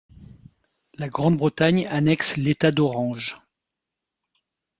La Grande-Bretagne annexe l’État d'Orange.